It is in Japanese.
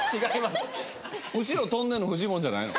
後ろ跳んでるのフジモンじゃないの？